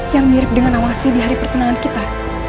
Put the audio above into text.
yang mirip dengan awasi di hari pertunangan kita